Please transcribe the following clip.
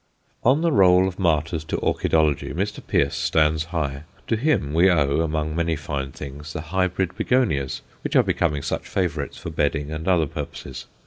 On the roll of martyrs to orchidology, Mr. Pearce stands high. To him we owe, among many fine things, the hybrid Begonias which are becoming such favourites for bedding and other purposes.